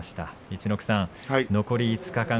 陸奥さん、残り５日間